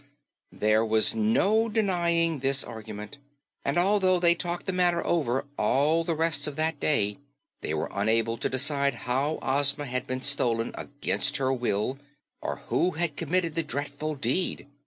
There was no denying this argument, and although they talked the matter over all the rest of that day, they were unable to decide how Ozma had been stolen against her will or who had committed the dreadful deed.